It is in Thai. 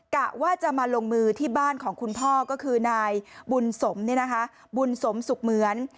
กะว่าจะมาลงมือที่บ้านของคุณพ่อก็คือนายบุญสมบุญสมสุขเหมือน